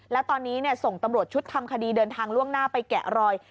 แล้วตอนนี้ส่งตำรวจชุดทำคดีเดินทางล่วงหน้าไปแกะรอย